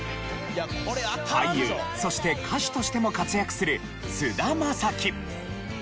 俳優そして歌手としても活躍する菅田将暉。